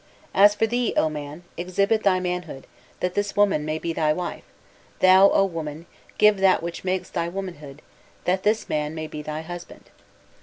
As for thee, O man, exhibit thy manhood, that this woman may be thy wife; thou, O woman, give that which makes thy womanhood, that this man may be thy husband."